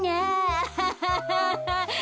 アハハハ。